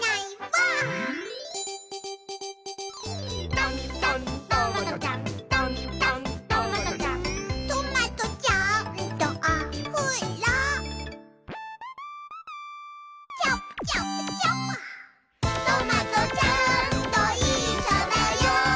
「とんとんトマトちゃん」「とんとんトマトちゃん」「トマトちゃんとおふろチャプ・チャプ・チャプ」「トマトちゃんといっしょだよ」